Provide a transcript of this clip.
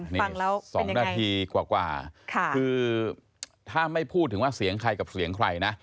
นี่ฟังแล้ว๒นาทีกว่าคือถ้าไม่พูดถึงว่าเสียงใครกับเสียงใครนะ